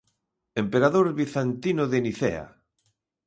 Emperador bizantino de Nicea.